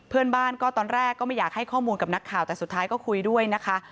เพื่อนบ้านก็ตอนแรกก็ไม่อยากให้ข้อมูลกับนักข่าวแต่สุดท้ายก็คุยด้วยนะคะ